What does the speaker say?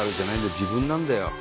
自分なんだよ。